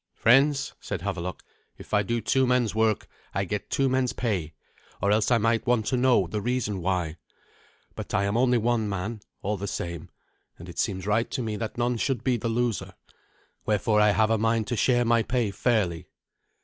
"Friends," said Havelok, "if I do two men's work I get two men's pay, or else I might want to know the reason why. But I am only one man, all the same, and it seems right to me that none should be the loser. Wherefore I have a mind to share my pay fairly."